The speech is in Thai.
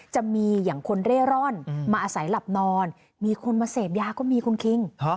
จะมีอย่างคนเร่ร่อนมาอาศัยหลับนอนมีคนมาเสพยาก็มีคุณคิง